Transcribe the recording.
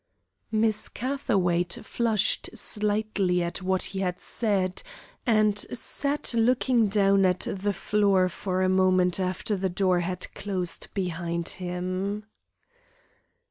Miss Catherwaight flushed slightly at what he had said, and sat looking down at the floor for a moment after the door had closed behind him.